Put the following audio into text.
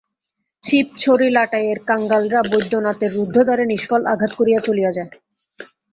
ছিপ ছড়ি লাটাইয়ের কাঙালরা বৈদ্যনাথের রুদ্ধদ্বারে নিষ্ফল আঘাত করিয়া চলিয়া যায়।